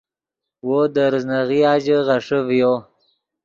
وو دے ریزناغیا ژے غیݰے ڤیو